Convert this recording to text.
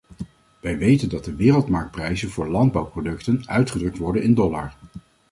Wij weten dat de wereldmarktprijzen voor landbouwproducten uitgedrukt worden in dollar.